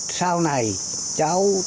sau này cháu tự lao